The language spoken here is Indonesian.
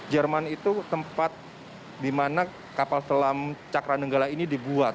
jerman itu tempat dimana kapal selam cakra nanggala yang berada di kita saat itu